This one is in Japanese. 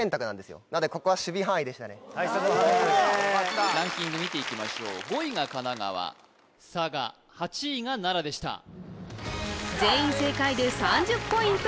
ここなのでここはランキング見ていきましょう５位が神奈川佐賀８位が奈良でした全員正解で３０ポイント